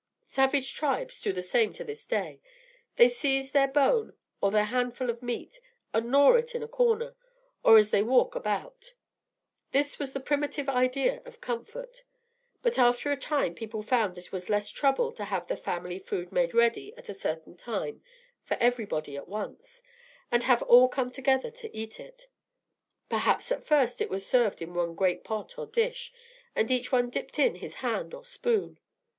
Savage tribes do the same to this day; they seize their bone or their handful of meat and gnaw it in a corner, or as they walk about. This was the primitive idea of comfort. But after a time people found that it was less trouble to have the family food made ready at a certain time for everybody at once, and have all come together to eat it. Perhaps at first it was served in one great pot or dish, and each one dipped in his hand or spoon.